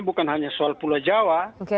bukan hanya soal pulau jawa